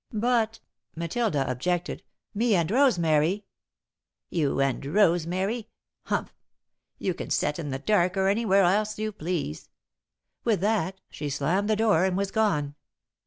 "But," Matilda objected; "me and Rosemary ." "You and Rosemary! Humph! You can set in the dark or anywhere else you please." With that she slammed the door and was gone.